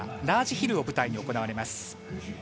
ラージヒルを舞台に行われます。